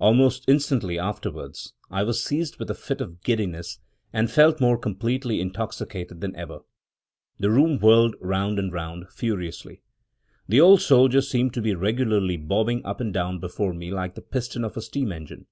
Almost instantly afterwards, I was seized with a fit of giddiness, and felt more completely intoxicated than ever. The room whirled round and round furiously; the old soldier seemed to be regularly bobbing up and down before me like the piston of a steam engine.